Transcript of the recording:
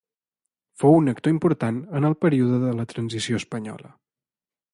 Fou un actor important en el període de la transició espanyola.